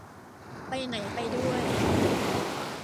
ไปไหน ไปด้วย